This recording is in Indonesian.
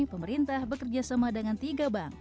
pemerintah bekerja sama dengan tiga bank